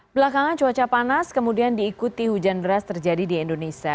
belakangan cuaca panas kemudian diikuti hujan deras terjadi di indonesia